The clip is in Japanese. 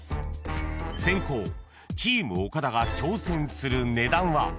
［先攻チーム岡田が挑戦する値段は］